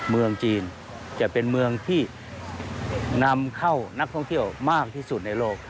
เมืองจีนจะเป็นเมืองที่นำเข้านักท่องเที่ยวมากที่สุดในโลก